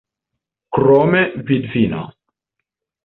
Krome, vidvino.